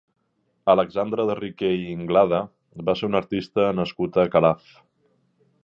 Alexandre de Riquer i Ynglada va ser un artista nascut a Calaf.